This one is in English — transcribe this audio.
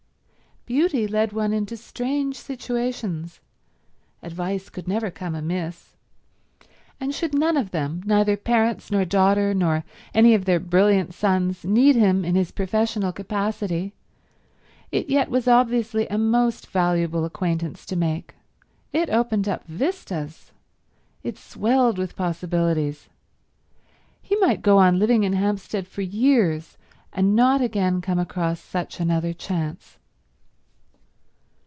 Beauty led one into strange situations; advice could never come amiss. And should none of them, neither parents nor daughter nor any of their brilliant sons, need him in his professional capacity, it yet was obviously a most valuable acquaintance to make. It opened up vistas. It swelled with possibilities. He might go on living in Hampstead for years, and not again come across such another chance.